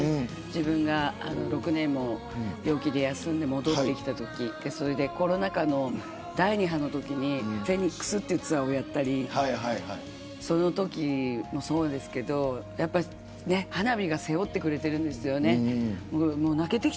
自分が６年も病気で休んで戻ってきたときそれでコロナ禍の第２波のときにフェニックスというツアーをやったりそのときもそうですけどやっぱり花火が背負ってくれているんですよね。